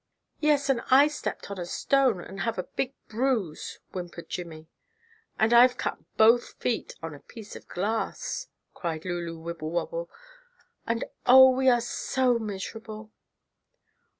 "Yes, and I stepped on a stone, and have a big bruise," whimpered Jimmie. "And I've cut both feet on a piece of glass," cried Lulu Wibblewobble, "and Oh, we are all so miserable!"